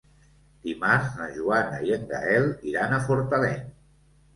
Dimarts na Joana i en Gaël iran a Fortaleny.